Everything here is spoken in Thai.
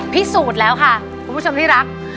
พิสูจน์แล้วค่ะคุณผู้ชมที่รัก